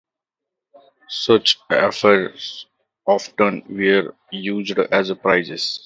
Such amphorae often were used as prizes.